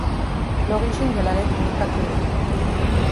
L'origine de la lettre n'est pas connue.